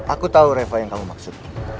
aku tahu reva yang kamu maksud